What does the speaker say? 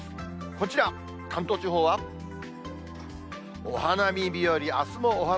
こちら、関東地方はお花見日和。